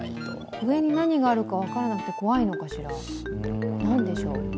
上に何があるか分からなくて怖いのかしら、何でしょう？